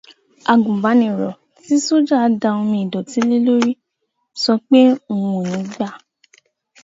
Àgùnbánirọ̀ ti sọ́jà da omi ìdọ̀tí lé lórí sọ pé òun ò ní gbà